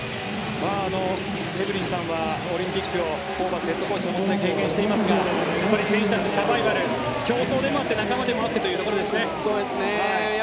エブリンさんはオリンピックをホーバスヘッドコーチのもとで経験していますがサバイバル競争でもあって仲間でもあってというところですね。